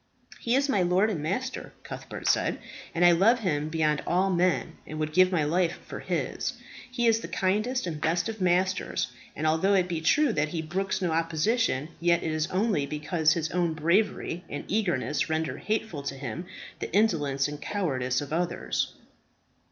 "He is my lord and master," Cuthbert said, "and I love him beyond all men, and would give my life for his. He is the kindest and best of masters; and although it be true that he brooks no opposition, yet is it only because his own bravery and eagerness render hateful to him the indolence and cowardice of others."